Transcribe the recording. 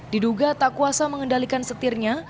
diduga tak kuasa mengendalikan setirnya